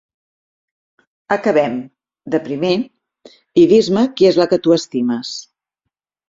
Acabem, de primer, i dis-me qui és la que tu estimes.